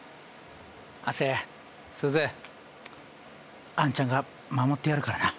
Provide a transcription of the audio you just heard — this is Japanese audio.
亜生すずあんちゃんが守ってやるからな。